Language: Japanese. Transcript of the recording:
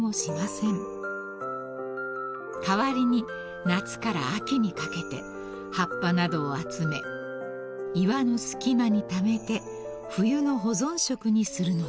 ［代わりに夏から秋にかけて葉っぱなどを集め岩の隙間にためて冬の保存食にするのです］